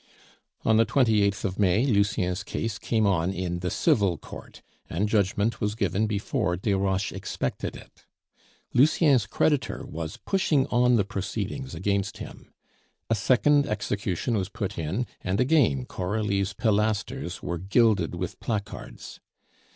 On the 28th of May, Lucien's case came on in the civil court, and judgment was given before Desroches expected it. Lucien's creditor was pushing on the proceedings against him. A second execution was put in, and again Coralie's pilasters were gilded with placards.